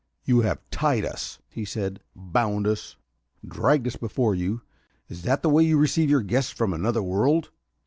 "You have tied us," he said, "bound us dragged us before you. Is that the way you receive your guests from another world?"